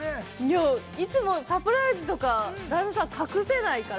いつもサプライズとか旦那さん隠せないから。